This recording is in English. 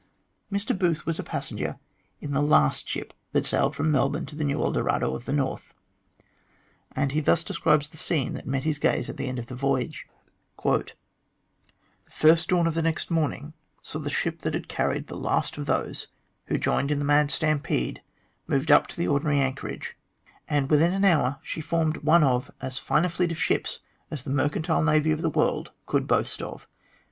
Mr Booth was a passenger in the last ship that sailed from Melbourne to the new El Dorado of the North, and lie thus describes the scene that met his gaze at the end of the voyage : "The first dawn of the next morning saw the ship that had carried the last of those who joined in the mad stampede moved up to the ordinary anchorage, and within an hour she formed one of as fine a fleet of ships as the mercantile navy of the world could boast of.